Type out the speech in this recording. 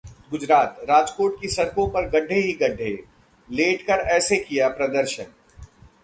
गुजरातः राजकोट की सड़कों पर गड्ढे ही गड्ढे, लेटकर ऐसे किया प्रदर्शन